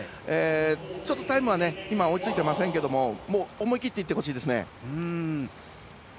ちょっとタイムは今、追いついてませんが思い切っていってほしいです。